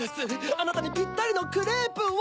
あなたにピッタリのクレープを！